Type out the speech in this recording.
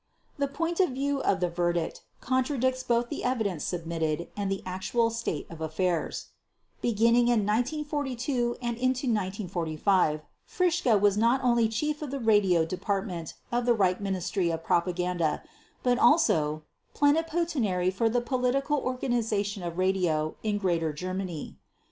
The point of view of the verdict contradicts both the evidence submitted and the actual state of affairs. Beginning with 1942 and into 1945 Fritzsche was not only Chief of the Radio Department of the Reich Ministry of Propaganda but also "Plenipotentiary for the Political Organization of Radio in Greater Germany".